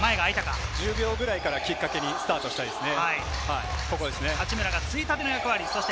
１０秒くらいからきっかけに行きたいですね。